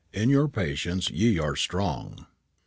"IN YOUR PATIENCE YE ARE STRONG."